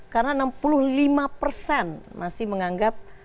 karena enam puluh lima persen masih menganggap